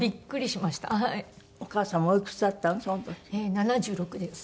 ７６です。